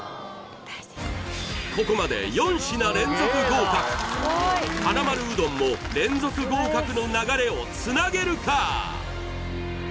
ここまで４品連続合格はなまるうどんも連続合格の流れをつなげるか？